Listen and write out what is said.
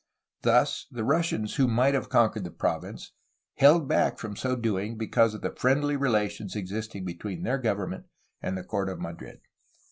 Thus the Russians, who might have conquered the province, held back from so doing because of the friendly relations existing be tween their government and the court of Madrid.